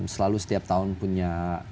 selalu setiap tahun punya